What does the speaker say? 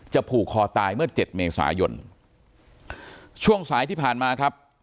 ผูกคอตายเมื่อเจ็ดเมษายนช่วงสายที่ผ่านมาครับ